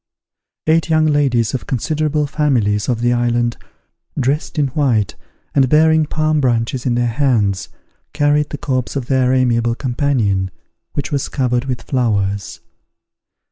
Eight young ladies of considerable families of the island, dressed in white, and bearing palm branches in their hands, carried the corpse of their amiable companion, which was covered with flowers.